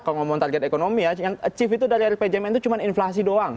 kalau ngomong target ekonomi ya yang achieve itu dari rpjmn itu cuma inflasi doang